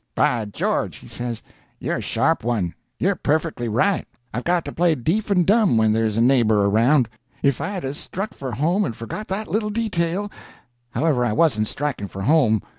"By George," he says, "you're a sharp one! You're perfectly right. I've got to play deef and dumb when there's a neighbor around. If I'd a struck for home and forgot that little detail—However, I wasn't striking for home.